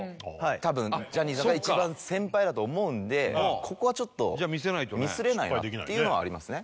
多分ジャニーズの中で一番先輩だと思うんでここはちょっとミスれないなっていうのはありますね